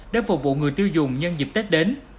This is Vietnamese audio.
để phục vụ người tiêu dùng nhân dịp tết đến